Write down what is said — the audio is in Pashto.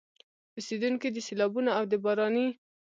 اوسېدونکي د سيلابونو او د باراني